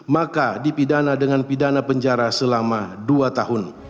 maka dipidana dengan pidana penjara selama dua tahun